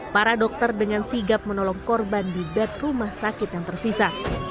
para dokter dengan sigap menolong korban di bed rumah sakit yang tersisa